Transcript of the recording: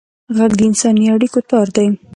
غږ د انساني اړیکو تار دی